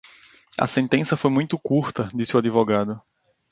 A sentença foi muito curta disse o advogado.